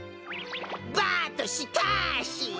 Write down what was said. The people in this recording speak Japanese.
バットしかし。